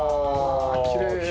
きれい。